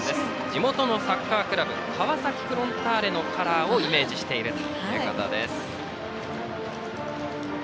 地元のサッカークラブ川崎フロンターレのカラーをイメージしているということです。